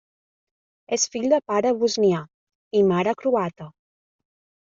És fill de pare bosnià i mare croata.